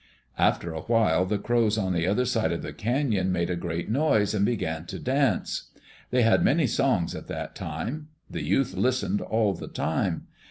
After a while the crows on the other side of the canon made a great noise and began to dance. They had many songs at that time. The youth listened all the time.